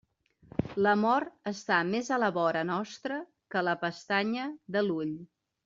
La mort està més a la vora nostra que la pestanya de l'ull.